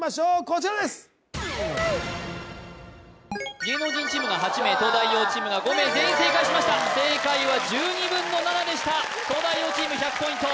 芸能人チームが８名東大王チームが５名全員正解しました正解は１２分の７でした東大王チーム１００ポイント